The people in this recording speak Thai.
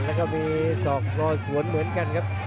แล้วก็มีศอกรอสวนเหมือนกันครับ